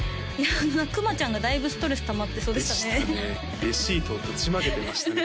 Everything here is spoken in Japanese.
あのクマちゃんがだいぶストレスたまってそうでしたねでしたね